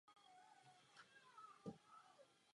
Touto hodnotou se mimo jiné charakterizuje diagram zatížení.